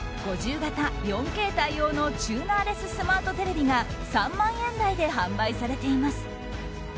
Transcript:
５０型４Ｋ対応のチューナーレススマートテレビが３万円台で販売されています。